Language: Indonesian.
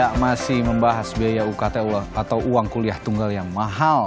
kita masih membahas biaya uktu atau uang kuliah tunggal yang mahal